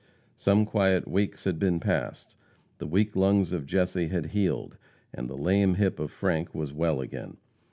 Some quiet weeks had been passed. The weak lungs of Jesse had healed, and the lame hip of Frank was well again.